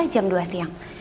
jam dua siang